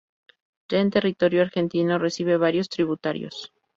Ya en territorio argentino recibe varios tributarios.